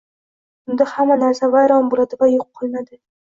Unda hamma narsa vayron bo'ladi va yo'q qilinadi"